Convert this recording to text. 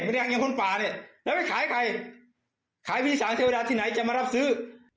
ไม่ได้รังอย่างคนป่าเนี้ยแล้วไปขายใครขายพิจารณ์เทวดาที่ไหนจะมารับซื้อ